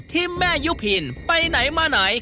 ที่แม่ยุพินไปไหนมาไหน